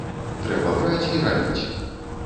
Трэба браць і рабіць.